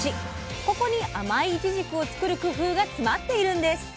ここに甘いいちじくを作る工夫が詰まっているんです。